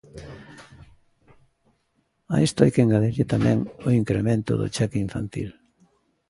A isto hai que engadirlle tamén o incremento do cheque infantil.